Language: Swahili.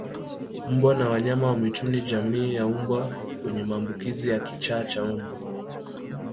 Mbwa na wanyama wa mwituni jamii ya mbwa wenye maambukizi ya kichaa cha mbwa